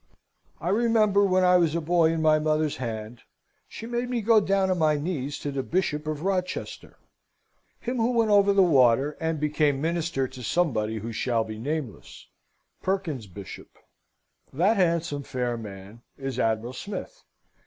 I remember when I was a boy in my mother's hand, she made me go down on my knees to the Bishop of Rochester; him who went over the water, and became Minister to somebody who shall be nameless Perkin's Bishop. That handsome fair man is Admiral Smith.